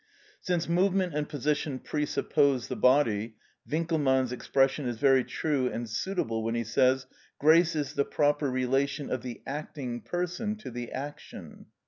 Since movement and position presuppose the body, Winckelmann's expression is very true and suitable, when he says, "Grace is the proper relation of the acting person to the action" (Works, vol.